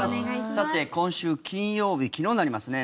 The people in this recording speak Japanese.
さて、今週金曜日昨日になりますね。